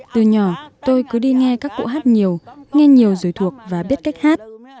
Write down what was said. từ nhỏ tôi cứ đi nghe các cụ hát nhiều nghe nhiều rồi thuộc và biết cách hát